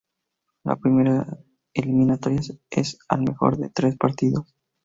La primera eliminatorias es al mejor de tres partidos.